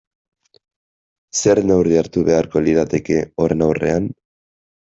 Zer neurri hartu beharko lirateke horren aurrean?